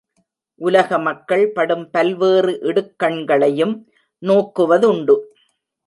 உலக மக்கள் படும் பல்வேறு இடுக்கண்களையும் நோக்குவதுண்டு.